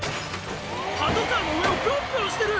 パトカーの上をピョンピョンしてる！